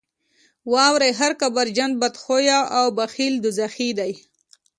واورئ هر کبرجن، بدخویه او بخیل دوزخي دي.